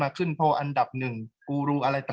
กากตัวทำอะไรบ้างอยู่ตรงนี้คนเดียว